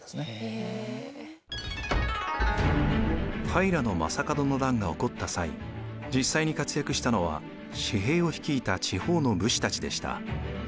平将門の乱が起こった際実際に活躍したのは私兵を率いた地方の武士たちでした。